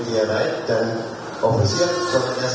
bahwa itu tidak terlaku secara komersial